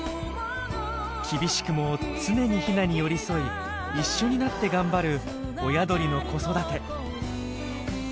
厳しくも常にヒナに寄り添い一緒になって頑張る親鳥の子育て。